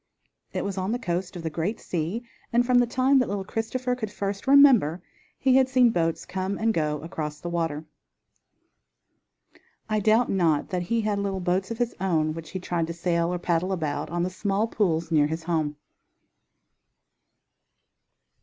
It was on the coast of the great sea, and from the time that little Christopher could first remember he had seen boats come and go across the water. I doubt not that he had little boats of his own which he tried to sail, or paddle about on the small pools near his home.